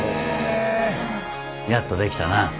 やっと出来たな。